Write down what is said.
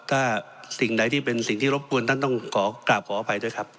ถ้าสิ่งใดที่เป็นสิ่งที่รบกวนท่านต้องขอกราบขออภัยด้วยครับ